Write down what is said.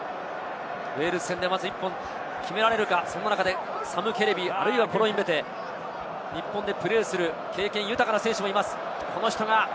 ウェールズ戦でまず１本決められるか、その中でサム・ケレビ、コロインベテ、日本でプレーする経験豊かな選手もいます。